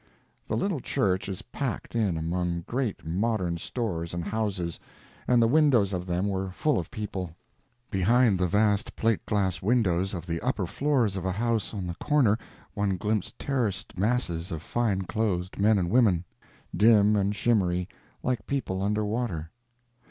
The little church is packed in among great modern stores and houses, and the windows of them were full of people. Behind the vast plate glass windows of the upper floors of a house on the corner one glimpsed terraced masses of fine clothed men and women, dim and shimmery, like people under water.